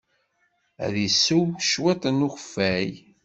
Ad isew cwiṭ n ukeffay.